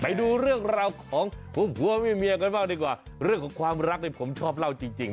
ไปดูเรื่องราวของผัวเมียกันบ้างดีกว่าเรื่องของความรักเนี่ยผมชอบเล่าจริง